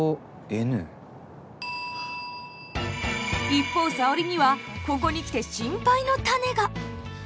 一方沙織にはここに来て心配の種が。